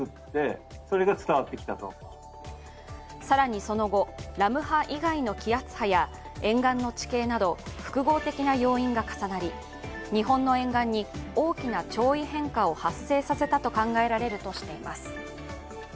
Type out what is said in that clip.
更に、その後、ラム波以外の気圧波や沿岸の地形など複合的な要因が重なり日本の沿岸に大きな潮位変化を発生させたと考えられるとしています。